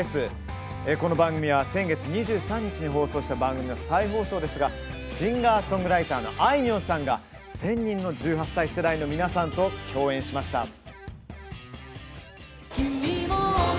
この番組は先月２３日に放送した番組の再放送ですがシンガーソングライターのあいみょんさんが、１０００人の１８歳世代の皆さんと協演しました。